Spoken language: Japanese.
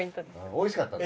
おいしかったの。